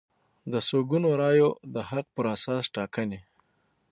د څو ګونو رایو د حق پر اساس ټاکنې